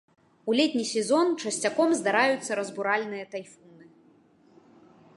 У летні сезон часцяком здараюцца разбуральныя тайфуны.